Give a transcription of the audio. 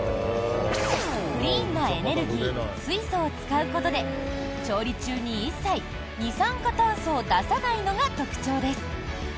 クリーンなエネルギー水素を使うことで調理中に一切、二酸化炭素を出さないのが特徴です。